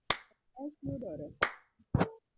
Be rech yudore?